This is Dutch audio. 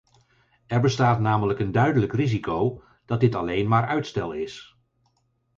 Er bestaat namelijk een duidelijk risico dat dit alleen maar uitstel is.